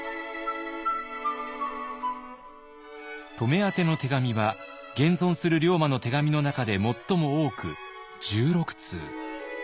乙女宛ての手紙は現存する龍馬の手紙の中で最も多く１６通。